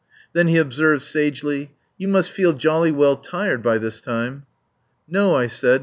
Then he observed sagely: "You must feel jolly well tired by this time." "No," I said.